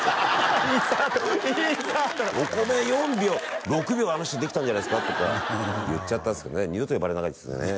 インサートインサートのお米４秒６秒あの人できたんじゃないですか？とか言っちゃったっすけどね二度と呼ばれないですよね